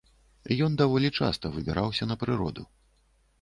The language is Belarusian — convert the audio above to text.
Ён даволі часта выбіраўся на прыроду.